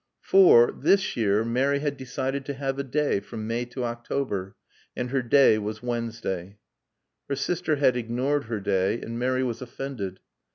For, this year, Mary had decided to have a day, from May to October. And her day was Wednesday. Her sister had ignored her day, and Mary was offended.